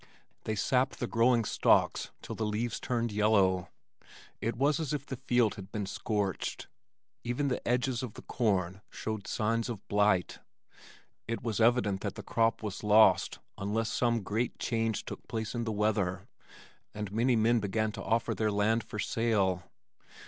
They sapped the growing stalks till the leaves turned yellow. It was as if the field had been scorched, even the edges of the corn showed signs of blight. It was evident that the crop was lost unless some great change took place in the weather, and many men began to offer their land for sale.